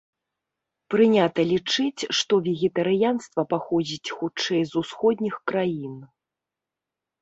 Прынята лічыць, што вегетарыянства паходзіць хутчэй з усходніх краін.